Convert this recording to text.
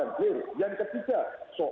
kami juga ingin program untuk dikawal dengan clear